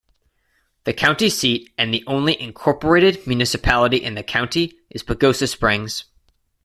The county seat and the only incorporated municipality in the county is Pagosa Springs.